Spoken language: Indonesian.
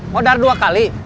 modar dua kali